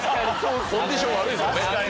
コンディション悪いですよね。